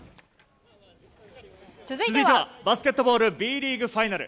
続いてはバスケットボールＢリーグファイナル。